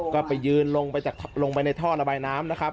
ก็ไปยืนลงไปในท่อระบายน้ำนะครับ